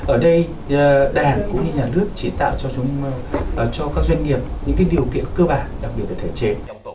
ở đây đảng cũng như nhà nước chỉ tạo cho các doanh nghiệp những điều kiện cơ bản đặc biệt là thể chế